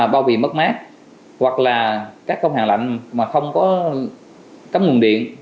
bao bì mất mát hoặc là các công hàng lạnh mà không có cấm nguồn điện